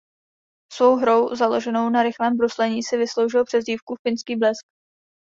Svou hrou založenou na rychlém bruslení si vysloužil přezdívku "Finský blesk".